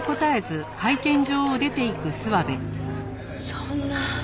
そんな。